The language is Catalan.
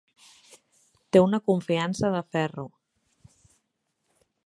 Té una confiança de ferro.